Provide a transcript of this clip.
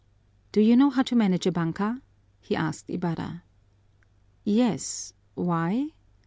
"Do you know how to manage a banka?" he asked Ibarra. "Yes, why?"